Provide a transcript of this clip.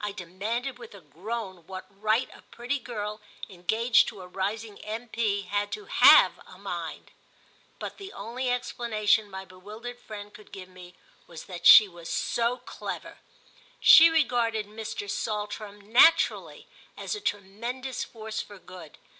I demanded with a groan what right a pretty girl engaged to a rising M.P. had to have a mind; but the only explanation my bewildered friend could give me was that she was so clever. She regarded Mr. Saltram naturally as a tremendous force for good.